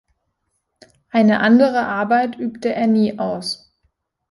Eine andere Arbeit übte er nie aus.